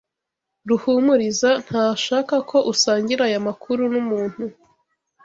Ruhumuriza ntashaka ko usangira aya makuru numuntu.